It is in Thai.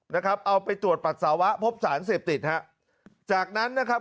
นะครับเอาไปตรวจปัสสาวะพบสารเสพติดฮะจากนั้นนะครับ